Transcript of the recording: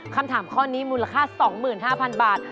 คำถามข้อนี้มูลค่า๒๕๐๐๐บาท